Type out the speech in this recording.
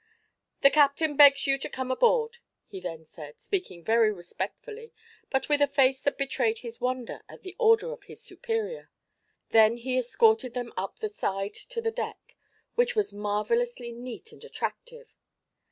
"The captain begs you to come aboard," he then said, speaking very respectfully but with a face that betrayed his wonder at the order of his superior. Then he escorted them up the side to the deck, which was marvelously neat and attractive.